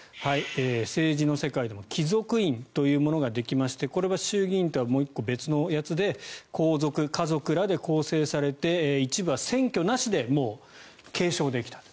政治の世界でも貴族院というものができましてこれが衆議院とは別のやつで皇族、華族らで構成されて一部は選挙なしで継承できたと。